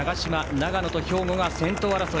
長野と兵庫が先頭争い。